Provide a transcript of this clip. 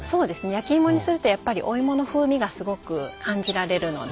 焼き芋にするとやっぱりお芋の風味がすごく感じられるので。